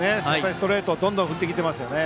ストレートをどんどん振ってきていますね。